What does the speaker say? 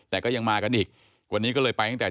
แต่ก็ยังมากันอีกวันนี้ก็เลยไปตั้งแต่